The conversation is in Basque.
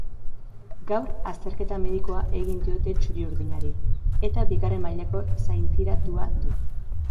Gaur azteketa medikoa egin diote txuri-urdinari, eta bigarren mailako zaintiratua du.